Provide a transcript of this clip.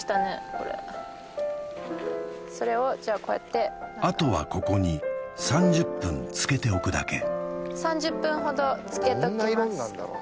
これそれをじゃあこうやってあとはここに３０分つけておくだけ３０分ほどつけときます